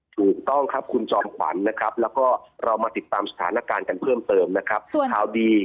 ถูกต้องครับคุณจอมขวัญนะครับแล้วก็เรามาติดตามสถานการณ์กันเพิ่มเติมนะครับข่าวดี